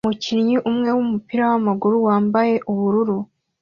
Umukinnyi umwe wumupira wamaguru wambaye ubururu